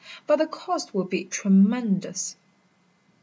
But the cost will be tremendous."